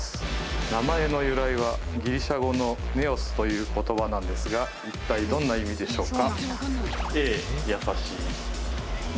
名前の由来はギリシャ語の「ネオス」という言葉なんですが一体どんな意味でしょうか？